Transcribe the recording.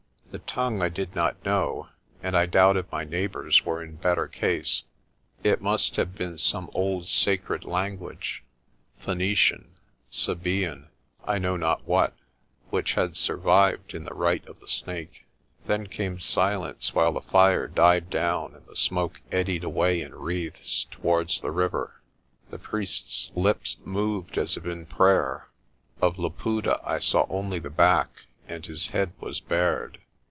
The tongue I did not know, and I doubt if my neighbours were in better case. It must have been some old sacred language Phoenician, Sabaean, I know not what which had survived in the rite of the Snake. Then came silence while the fire died down and! the smoke eddied away in wreaths towards the river. The priest's lips moved as if in prayer: of Laputa I saw only the back, and his head was bared.